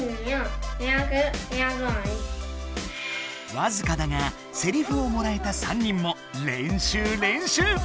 わずかだがセリフをもらえたさんにんも練習練習！